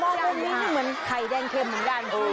เออมองแบบนี้เหมือนไข่แดงเข้มเหมือนกัน